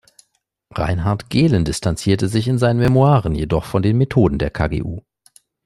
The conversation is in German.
Reinhard Gehlen distanzierte sich in seinen Memoiren jedoch von den Methoden der KgU.